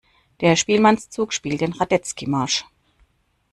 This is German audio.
Der Spielmannszug spielt den Radetzky-Marsch.